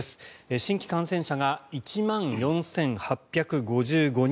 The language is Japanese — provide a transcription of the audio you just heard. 新規感染者が１万４８５５人。